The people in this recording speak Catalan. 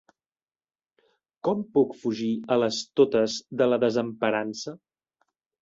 Com puc fugir a les totes de la desemparança?